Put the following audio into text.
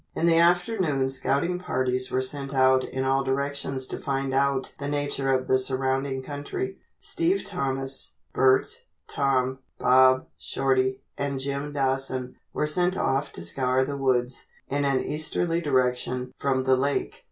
In the afternoon scouting parties were sent out in all directions to find out the nature of the surrounding country. Steve Thomas, Bert, Tom, Bob, Shorty, and Jim Dawson were sent off to scour the woods in an easterly direction from the lake.